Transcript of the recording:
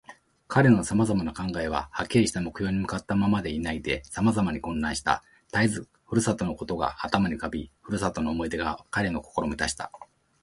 彼のさまざまな考えは、はっきりした目標に向ったままでいないで、さまざまに混乱した。たえず故郷のことが頭に浮かび、故郷の思い出が彼の心をみたした。